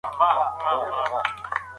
ماشوم د انا په لمن پورې ځان کلک ونښلاوه.